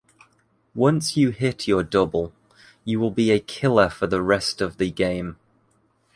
Once you hit your double, you will be “a killer” for the rest of the game.